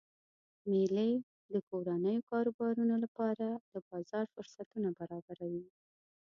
میلې د کورنیو کاروبارونو لپاره د بازار فرصتونه برابروي.